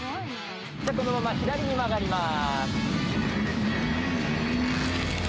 このまま左に曲がります。